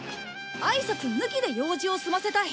あいさつ抜きで用事を済ませたい。